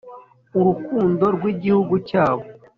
urukundo rw Igihugu cyabo